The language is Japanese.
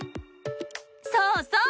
そうそう！